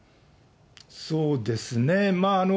そうですね。